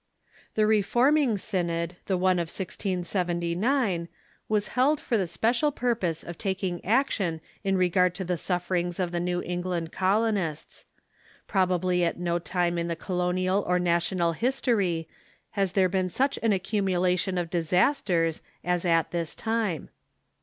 The Reforming Synod — the one of 1679 — Avas held for the special purpose of taking action in regard to the sufferings of the New England colonists. Probably at no time ^^^ sJnod""'"^ ^"^^^^ colonial or national history has there been such an accumulation of disasters as at this time.